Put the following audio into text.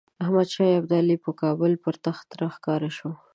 احمدشاه ابدالي په کابل پر تخت راښکاره شو.